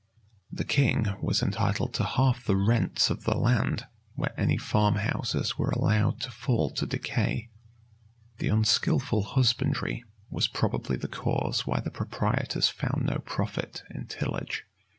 The king was entitled to half the rents of the land, where any farm houses were allowed to fall to decay.[v] The unskilful husbandry was probably the cause why the proprietors found no profit in tillage.